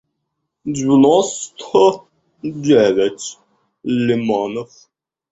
девяносто девять лимонов